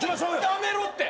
やめろって！